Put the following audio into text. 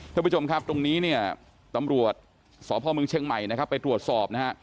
ทุกผู้ชมครับตรงนี้ตำรวจสอบพลเมืองเชียงใหม่ไปตรวจสอบ